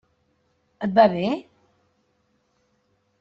Et va bé?